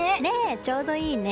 ちょうどいいね。